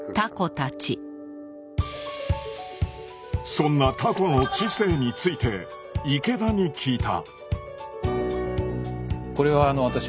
そんなタコの知性について池田に聞いた。